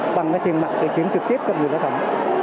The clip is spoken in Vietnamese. bằng tiền mặt điều khiển trực tiếp cho người lao động